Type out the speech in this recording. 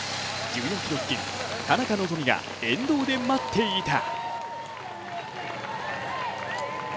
１４ｋｍ付近、田中希実が沿道で待っていた。